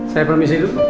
saya permisi dulu